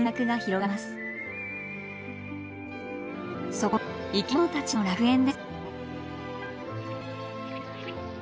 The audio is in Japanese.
そこは生き物たちの楽園です。